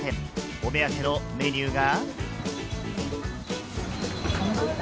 お目当てのメニューが。